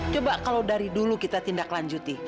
coba kalau dari dulu kita tindak lanjuti